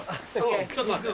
ちょっと待って。